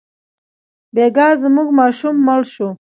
بېګا زموږ ماشوم مړ شو.